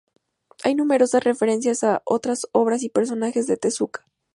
Hay numerosas referencias a otras obras y personajes de Tezuka.